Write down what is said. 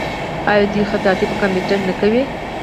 آیا دوی خطاطي په کمپیوټر کې نه کوي؟